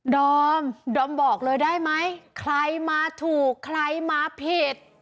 ดอมดอมบอกเลยได้ไหมใครมาถูกใครมาผิด